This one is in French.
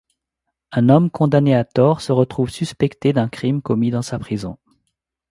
Un homme condamné à tort se retrouve suspecté d'un crime commis dans sa prison.